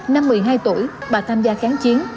năm một mươi hai tuổi bà tham gia kháng chiến